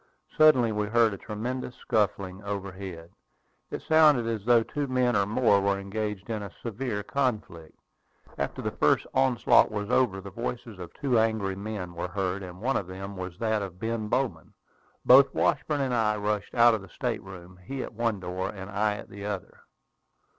Suddenly we heard a tremendous scuffling overhead. It sounded as though two men or more were engaged in a severe conflict. After the first onslaught was over, the voices of two angry men were heard; and one of them was that of Ben Bowman. Both Washburn and I rushed out of the state room, he at one door, and I at the other.